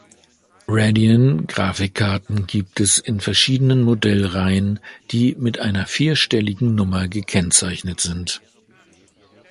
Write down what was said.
Radeon-Grafikkarten gibt es in verschiedenen Modellreihen, die mit einer vierstelligen Nummer gekennzeichnet sind.